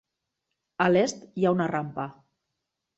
A l'est hi ha una rampa.